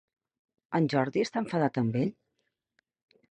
En Jordi està enfadat amb ell?